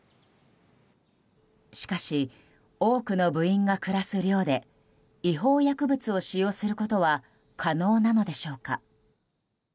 しかし、多くの部員が暮らす寮で違法薬物を使用することは可能なのでしょうか。